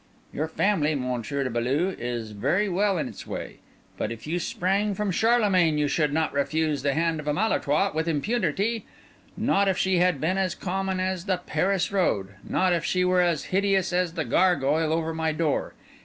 Your family, Monsieur de Beaulieu, is very well in its way; but if you sprang from Charlemagne, you should not refuse the hand of a Malétroit with impunity—not if she had been as common as the Paris road—not if she were as hideous as the gargoyle over my door.